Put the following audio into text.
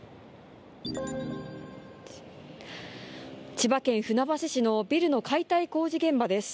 千葉県船橋市のビルの解体工事現場です。